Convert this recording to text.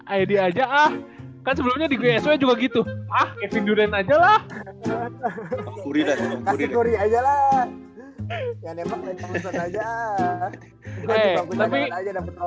ayo diajak ah kan sebelumnya juga gitu ah kejurut aja lah kurir aja lah ya nempel aja